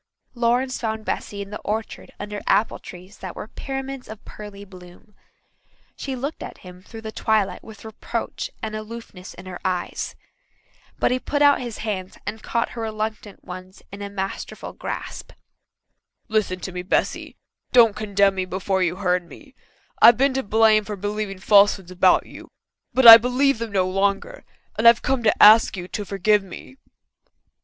Lawrence found Bessy in the orchard under apple trees that were pyramids of pearly bloom. She looked at him through the twilight with reproach and aloofness in her eyes. But he put out his hands and caught her reluctant ones in a masterful grasp. "Listen to me, Bessy. Don't condemn me before you've heard me. I've been to blame for believing falsehoods about you, but I believe them no longer, and I've come to ask you to forgive me."